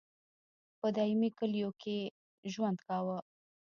په دایمي کلیو کې یې ژوند کاوه.